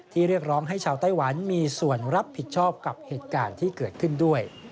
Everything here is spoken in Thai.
เรียกร้องให้ชาวไต้หวันมีส่วนรับผิดชอบกับเหตุการณ์ที่เกิดขึ้นด้วย